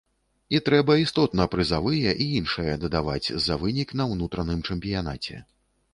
І трэба істотна прызавыя і іншае дадаваць за вынік на ўнутраным чэмпіянаце.